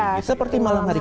ya seperti malam hari